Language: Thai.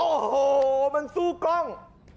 โอ้โหมันสู้กล้อง